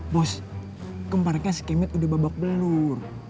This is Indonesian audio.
bos kemarenka si kemet udah babak belur